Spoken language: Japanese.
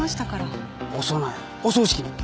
お葬式の？